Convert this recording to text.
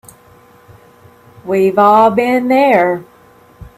We've all been there.